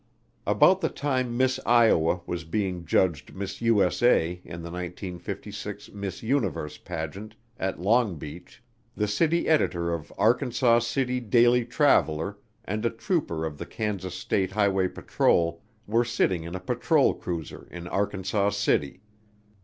About the time Miss Iowa was being judged Miss USA in the 1956 Miss Universe Pageant at Long Beach, the city editor of Arkansas City Daily Traveler, and a trooper of the Kansas State Highway Patrol were sitting in a patrol cruiser in Arkansas City.